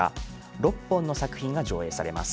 ６本の作品が上映されます。